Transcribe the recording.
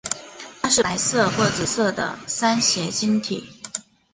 它是白色或紫色的三斜晶体。